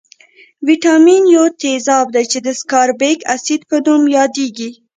ویتامین یو تیزاب دی چې د سکاربیک اسید په نوم یادیږي.